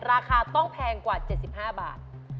ราคาต้องแพงกว่า๗๕บาท